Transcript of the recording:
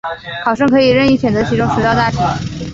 考生可以任意选择其中十道大题